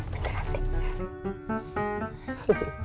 beneran deh beneran